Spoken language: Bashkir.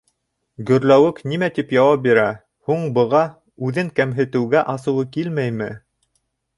Гөрләүек нимә тип яуап бирә һуң быға, үҙен кәмһетеүгә асыуы килмәйме?